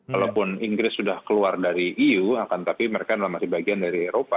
walaupun inggris sudah keluar dari eu akan tapi mereka adalah masih bagian dari eropa